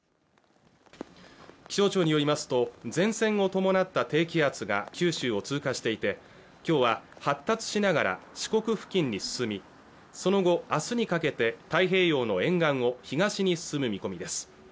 気象庁によりますと前線を伴った低気圧が九州を通過していて今日は発達しながら四国付近に進みその後あすにかけて太平洋の沿岸を東に進む見込みです